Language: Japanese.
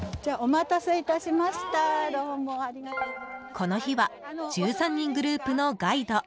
この日は１３人グループのガイド。